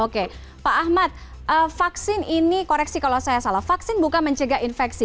oke pak ahmad vaksin ini koreksi kalau saya salah vaksin bukan mencegah infeksi